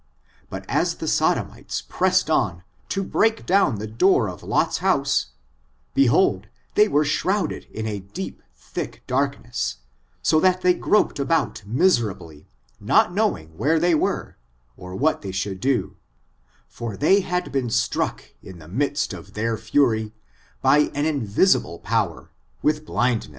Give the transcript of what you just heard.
But as the Sodomites pressed on, to break down the door of Lot's hoase, behold they were shrouded in a deep, thick darkness, so that they groped about miserably, not knowing where they were, or what they should do, for they had been struck in the midst of their fury, by an in* visible power, with blindness.